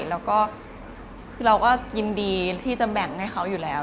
เราก็ยินดีที่จะแบ่งให้เค้าอยู่แล้ว